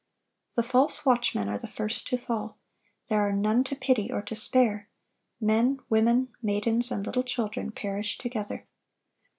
The false watchmen are the first to fall. There are none to pity or to spare. Men, women, maidens, and little children perish together.